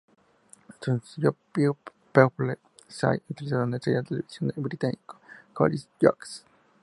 Su sencillo "People Say" fue utilizado en el serial televisivo británico "Hollyoaks".